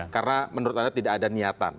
karena menurut anda tidak ada niatan